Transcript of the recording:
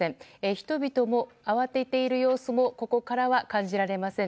人々も慌てている様子もここからは感じられません。